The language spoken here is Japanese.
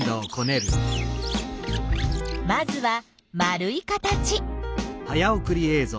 まずは丸い形。